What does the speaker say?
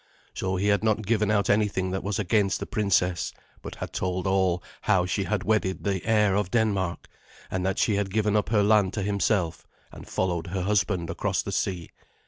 So he had not given out anything that was against the princess, but had told all how she had wedded the heir of Denmark, and that she had given up her land to himself, and followed her husband across the sea.